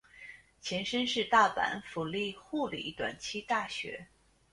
前身是大阪府立护理短期大学。